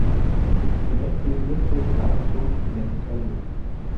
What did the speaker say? Cement کیلئے صرف limestone ہی نہیں چاہیے۔